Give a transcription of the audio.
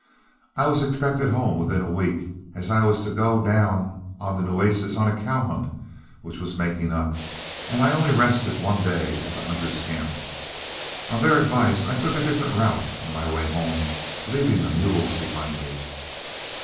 I was expected home within a week, as I was to go down on the Nueces on a cow hunt which was making up, and I only rested one day at the hunters' camp. On their advice, I took a different route on my way home, leaving the mules behind me.